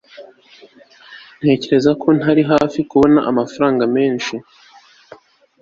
ntekereza ko turi hafi kubona amafaranga menshi